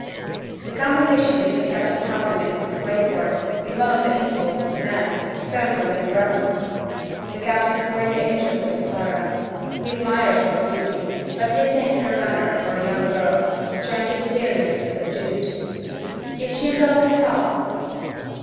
The conversation between Captain Helding and Mrs. Crayford, in one of the intervals of the dance, turns on Miss Burnham. The captain is greatly interested in Clara. He admires her beauty; but he thinks her manner for a young girl strangely serious and subdued. Is she in delicate health?